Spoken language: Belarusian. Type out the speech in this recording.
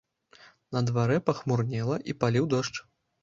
На дварэ пахмурнела і паліў дождж.